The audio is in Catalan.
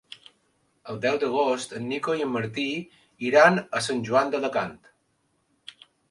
El deu d'agost en Nico i en Martí iran a Sant Joan d'Alacant.